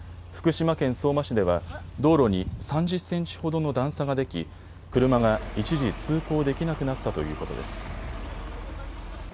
福島県相馬市では道路に３０センチほどの段差ができ車が一時、通行できなくなったということです。